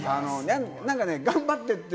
何か頑張って！って